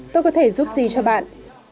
tôi có thể giúp gì cho bạn